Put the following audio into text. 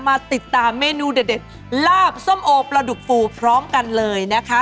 มาติดตามเมนูเด็ดลาบส้มโอปลาดุกฟูพร้อมกันเลยนะคะ